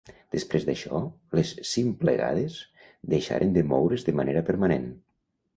Després d'això, les Symplegades deixaren de moure's de manera permanent.